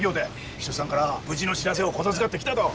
一さんから無事の知らせを言づかってきたと。